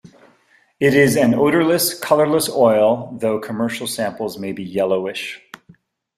It is an odorless, colorless oil, though commercial samples may be yellowish.